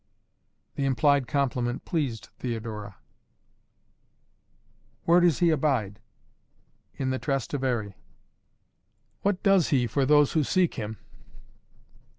The implied compliment pleased Theodora. "Where does he abide?" "In the Trastevere." "What does he for those who seek him?"